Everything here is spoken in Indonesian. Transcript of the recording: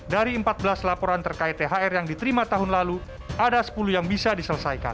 dari empat belas laporan terkait thr yang diterima tahun lalu ada sepuluh yang bisa diselesaikan